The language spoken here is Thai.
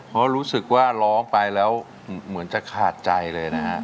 เพราะรู้สึกว่าร้องไปแล้วเหมือนจะขาดใจเลยนะฮะ